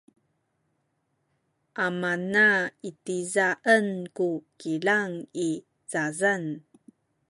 amana itizaen ku kilang i zazan.